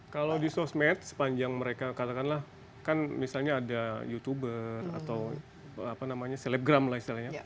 kalau di sosmed sepanjang mereka katakanlah kan misalnya ada youtuber atau apa namanya selebgram lah istilahnya